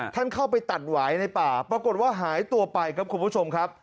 ท่านเข้าไปตัดหวายในป่าปรากฏว่าหายตัวไปครับคุณผู้ชมครับ